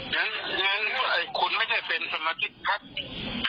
อย่างนั้นคุณไม่ได้เป็นสมาชิกภักดิ์